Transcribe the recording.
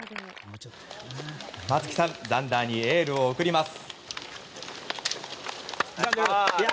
松木さんザンダーにエールを送ります。